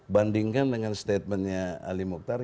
bandingkan dengan statementnya ali mukhtar